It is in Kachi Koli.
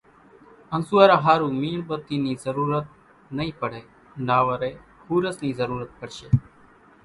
انزوئارا ۿارو ميڻ ٻتي نِي ضرورت نئِي پڙي نا وري ۿورز نِي ضرورت پڙشي۔